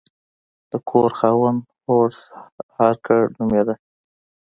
د کور خاوند هورس هارکر نومیده.